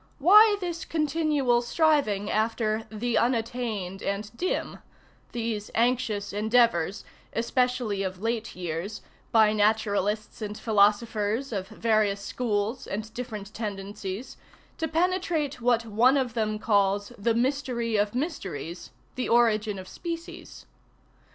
Why this continual striving after "the unattained and dim,"ŌĆö these anxious endeavors, especially of late years, by naturalists and philosophers of various schools and different tendencies, to penetrate what one of them calls "the mystery of mysteries," the origin of species?